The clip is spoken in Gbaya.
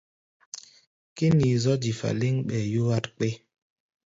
Kínii zɔ̧́ difa lɛ́ŋ, ɓɛɛ yúwár kpé.